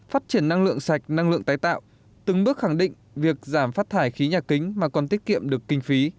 phát triển năng lượng sạch năng lượng tái tạo từng bước khẳng định việc giảm phát thải khí nhà kính mà còn tiết kiệm được kinh phí